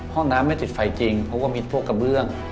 ห้องน้ำไม่ติดไฟจริงเพราะว่ามีพวกกระเบื้อง